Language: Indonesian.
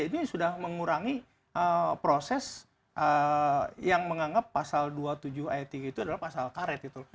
itu sudah mengurangi proses yang menganggap pasal dua puluh tujuh ayat tiga itu adalah pasal karet gitu